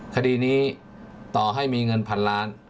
คดีนี้ต่อให้มีเงินพันล้าน